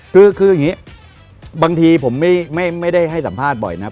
คืออย่างนี้บางทีผมไม่ได้ให้สัมภาษณ์บ่อยนะ